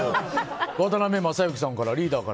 渡辺正行さん、リーダーから。